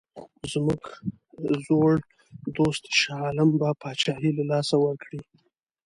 زموږ زوړ دوست شاه عالم به پاچهي له لاسه ورکړي.